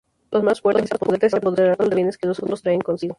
Los más fuertes se apoderan de los pocos bienes que los otros traen consigo.